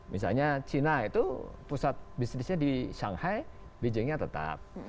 misalnya cina itu pusat bisnisnya di shanghai beijingnya tetap